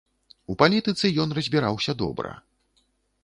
У палітыцы ён разбіраўся добра.